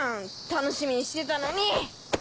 楽しみにしてたのに！